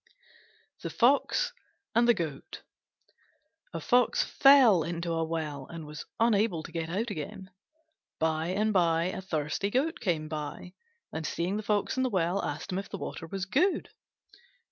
THE FOX AND THE GOAT A Fox fell into a well and was unable to get out again. By and by a thirsty Goat came by, and seeing the Fox in the well asked him if the water was good.